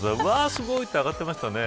すごいって上がってましたね。